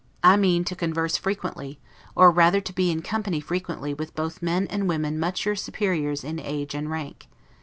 I mean, to converse frequently, or rather to be in company frequently with both men and women much your superiors in age and rank.